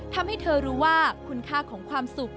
ทำให้เธอรู้ว่าคุณค่าของความสุข